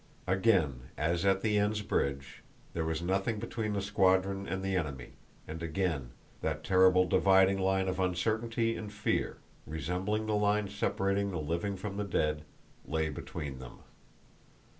Again, as at the Enns bridge, there was nothing between the squadron and the enemy, and again that terrible dividing line of uncertainty and fear—resembling the line separating the living from the dead—lay between them.